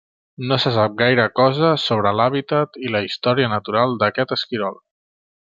No se sap gaire cosa sobre l'hàbitat i la història natural d'aquest esquirol.